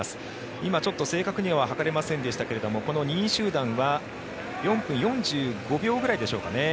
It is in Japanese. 今正確には図れませんでしたがこの２位集団は４分４５秒くらいでしょうかね。